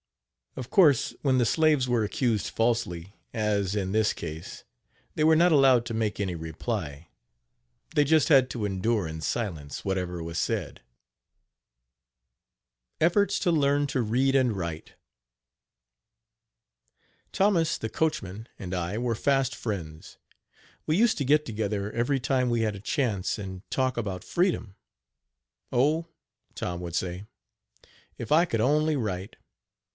" Of course, when the slaves were accused falsely, as in this case, they were not allowed to make any reply they just had to endure in silence whatever was said. EFFORTS TO LEARN TO READ AND WRITE. Thomas, the coachman, and I were fast friends. We used to get together every time we had a chance and talk about freedom. "Oh!" Tom would say, "if I could only write.